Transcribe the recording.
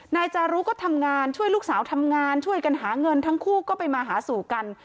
นายจารุก็ทำงานช่วยลูกสาวทำงานช่วยกันหาเงินทั้งคู่ก็ไปมาหาสู่กัน